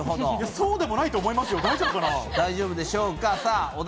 そうでもないと思いますよ、大丈夫かな。